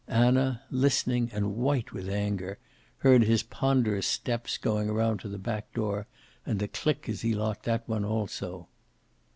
Anna, listening and white with anger, heard his ponderous steps going around to the back door, and the click as he locked that one also.